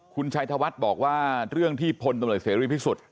คุณชัยธวัฒน์บอกว่าเรื่องที่พลตำรวจเสรีพิสุทธิ์